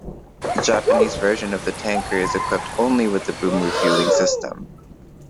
The Japanese version of the tanker is equipped only with the boom refueling system.